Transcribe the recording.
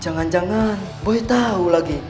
jangan jangan gue tau lagi